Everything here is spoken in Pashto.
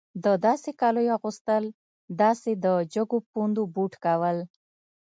د داسې کالیو اغوستل داسې د جګو پوندو بوټ کول.